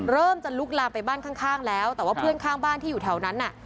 เริ่มจะลุกลามไปบ้านข้างแล้วแต่ว่าเพื่อนข้างบ้านที่อยู่แถวนั้นน่ะ